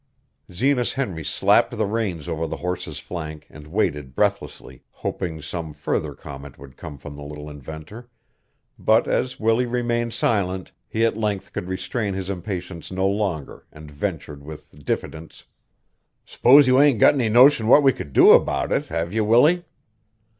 Zenas Henry slapped the reins over the horse's flank and waited breathlessly, hoping some further comment would come from the little inventor, but as Willie remained silent, he at length could restrain his impatience no longer and ventured with diffidence: "S'pose you ain't got any notion what we could do about it, have you, Willie?"